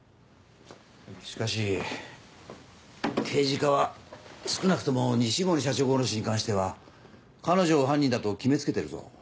しかし刑事課は少なくとも西森社長殺しに関しては彼女を犯人だと決め付けてるぞ。